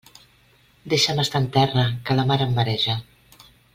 Deixa'm estar en terra, que la mar em mareja.